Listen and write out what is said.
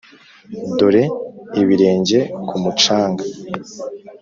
dore ibirenge ku mucanga